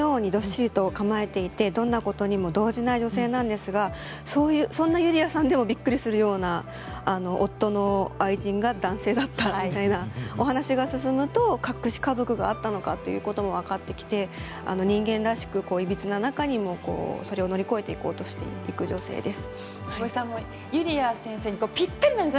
もう石のようにどっしりと構えていてどんなことにも動じない女性なんですがそういうそんなゆりあさんでもびっくりするような夫の愛人が男性だったみたいなお話が進むと隠し家族があったのかということがわかってきて、人間らしくそれを乗り越えていこうとしていく女性です。